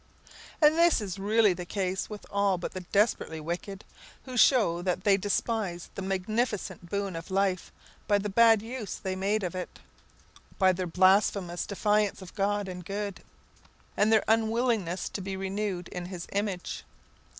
And this is really the case with all but the desperately wicked, who show that they despise the magnificent boon of life by the bad use they make of it, by their blasphemous defiance of God and good, and their unwillingness to be renewed in his image.